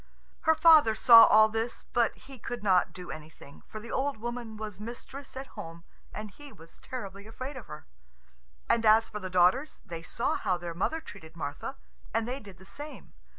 Her father saw all this, but he could not do anything, for the old woman was mistress at home, and he was terribly afraid of her. And as for the daughters, they saw how their mother treated Martha, and they did the same.